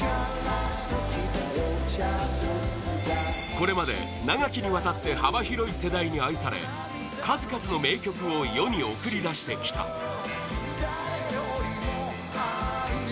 これまで長きにわたって幅広い世代に愛され数々の名曲を世に送り出してきた佐藤：